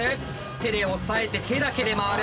手で押さえて手だけで回る。